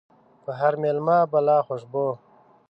په هر ميلمه بلا خوشبو